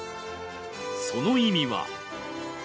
その意味は。